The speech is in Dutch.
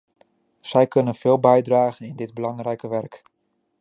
Zij kunnen veel bijdragen in dit belangrijke werk.